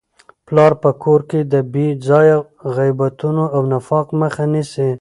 پلار په کور کي د بې ځایه غیبتونو او نفاق مخه نیسي.